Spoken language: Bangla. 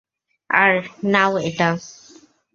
আর, নাও এটা।